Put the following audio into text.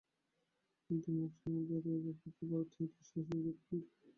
কিন্তু ম্যাক্সমূলারের অপেক্ষা ভারতহিতৈষী ইউরোপখণ্ডে আছেন কিনা, জানি না।